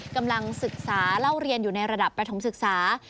กำลังศึกษาเล่าเรียนอยู่ในระดับประถมศึกษา